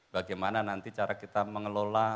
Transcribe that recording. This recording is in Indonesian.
bagaimana nanti cara kita mengelola